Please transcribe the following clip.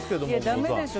だめでしょ。